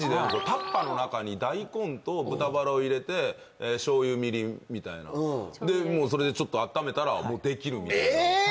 タッパーの中に大根と豚バラを入れてしょうゆみりんみたいなでもうそれでちょっと温めたらもうできるみたいなえ！